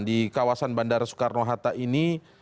di kawasan bandara soekarno hatta ini